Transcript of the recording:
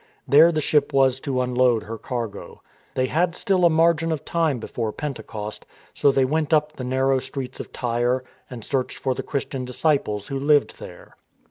There the ship was to unload her cargo. They had still a margin of time before Pentecost, so they went up the narrow streets of Tyre and searched for the Christian disciples who lived there.